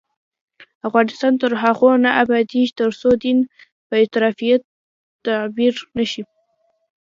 افغانستان تر هغو نه ابادیږي، ترڅو دین په افراطیت تعبیر نشي.